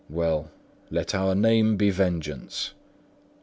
Well, let our name be vengeance.